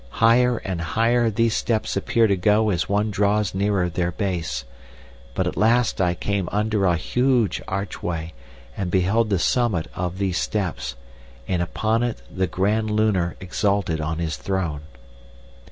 Higher and higher these steps appear to go as one draws nearer their base. But at last I came under a huge archway and beheld the summit of these steps, and upon it the Grand Lunar exalted on his throne.